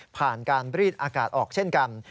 ผ่านการรีดอากาศออกเช่นกัน